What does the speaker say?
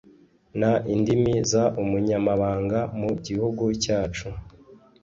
n indimi z ubunyamabanga mu gihugu cyacu